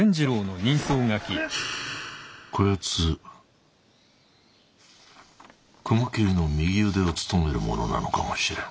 こやつ雲霧の右腕を務める者なのかもしれん。